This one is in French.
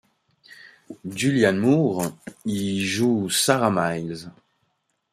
Julianne Moore y joue Sarah Miles.